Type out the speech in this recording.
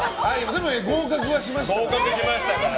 でも合格はしましたから。